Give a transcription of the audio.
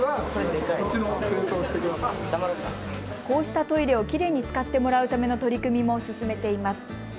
こうしたトイレをきれいに使ってもらうための取り組みも進めています。